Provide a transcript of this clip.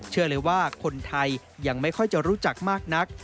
เชื่อเลยว่าคนไทยยังไม่ค่อยจะรู้จักมากนัก